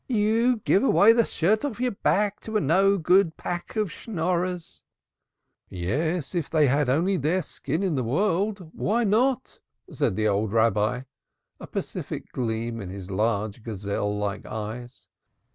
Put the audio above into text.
"You'd give away the shirt off your skin to a pack of good for nothing Schnorrers." "Yes, if they had only their skin in the world. Why not?" said the old Rabbi, a pacific gleam in his large gazelle like eyes.